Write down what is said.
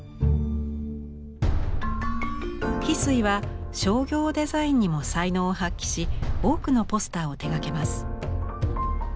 非水は商業デザインにも才能を発揮し多くのポスターを手がけます。